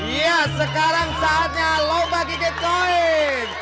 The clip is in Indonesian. iya sekarang saatnya lomba gigit koin